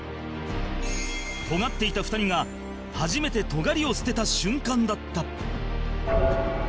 トガっていた２人が初めてトガりを捨てた瞬間だった